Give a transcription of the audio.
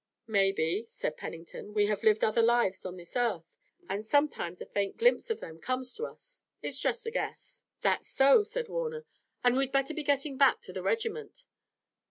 "Maybe," said Pennington, "we have lived other lives on this earth, and sometimes a faint glimpse of them comes to us. It's just a guess." "That's so," said Warner, "and we'd better be getting back to the regiment.